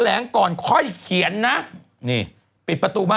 แห้งก่อนค่อยเขียนนะนี่ปิดประตูมา